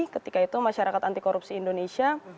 ketika itu masyarakat anti korupsi indonesia